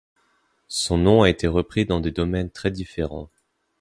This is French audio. Son nom a été repris dans des domaines très différents.